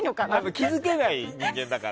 気づけない人間だから。